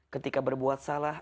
ketika berbuat salah